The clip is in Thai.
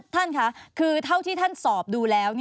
ท่านค่ะคือเท่าที่ท่านสอบดูแล้ว